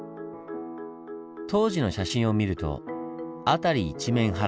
当時の写真を見ると辺り一面原っぱ。